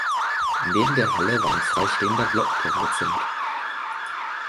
Neben der Halle war ein freistehender Glockenturm gezimmert.